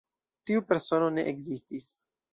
Tiu persono ne ekzistis.